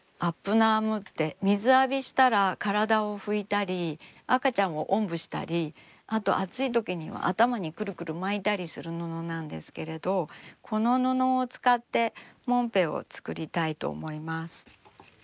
ナームって水浴びしたら体を拭いたり赤ちゃんをおんぶしたりあと暑いときには頭にくるくる巻いたりする布なんですけれどこの布を使ってもんぺを作りたいと思います。